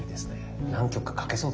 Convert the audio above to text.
何曲か書けそうだね